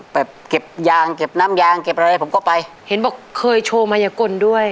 แบบเก็บยางเก็บน้ำยางเก็บอะไรผมก็ไปเห็นบอกเคยโชว์มายกลด้วย